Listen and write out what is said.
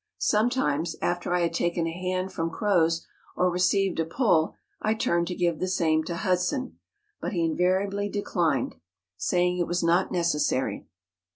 Sometimes, after I had taken a hand from Croz or received a pull, I turned to give the same to Hud¬ son ; but he invariably declined, saying it was not 102 MOUNTAIN ADVENTURES. necessary.